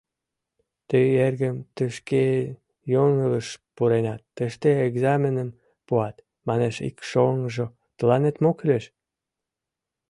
— Тый, эргым, тышке йоҥылыш пуренат: тыште экзаменым пуат, — манеш ик шоҥгыжо, — тыланет мо кӱлеш?